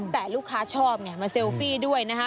แต่ลูกค้าชอบไงมาเซลฟี่ด้วยนะคะ